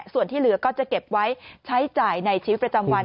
ส่วนที่เหลือก็จะเก็บไว้ใช้จ่ายในชีวิตประจำวัน